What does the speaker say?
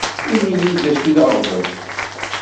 Ini-yi-d d acu i d aɣbel.